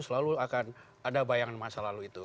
selalu akan ada bayangan masa lalu itu